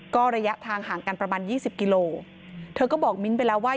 ก็ระยะทางห่างกันประมาณยี่สิบกิโลเธอก็บอกมิ้นท์ไปแล้วว่า